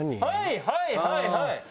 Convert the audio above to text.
はいはいはいはい。